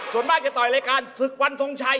ส่วนมากจะต่อยรายการศึกวันทรงชัย